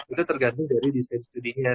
itu tergantung dari desain studinya